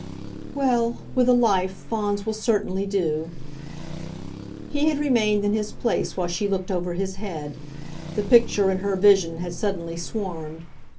"Well, with a 'life' Fawns will certainly do." He had remained in his place while she looked over his head; the picture, in her vision, had suddenly swarmed.